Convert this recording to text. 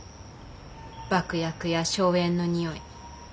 爆薬や硝煙のにおい。